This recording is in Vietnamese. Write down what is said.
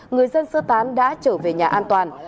người dân sơ tán đã trở về nhà an toàn